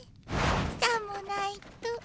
さもないと。